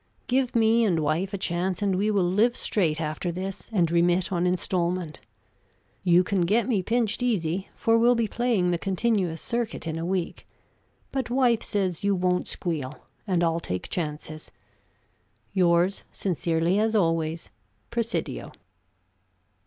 Give me and wife a chance, and we will live straight after this, and remit on instalment. You can get me pinched easy, for we'll be playing the continuous circuit in a week; but wife says you won't squeal, and I'll take chances. Yours, sincerely as always, Presidio."